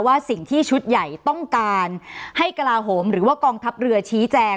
ว่าสิ่งที่ชุดใหญ่ต้องการให้กระลาโหมหรือว่ากองทัพเรือชี้แจง